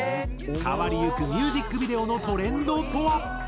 変わりゆくミュージックビデオのトレンドとは？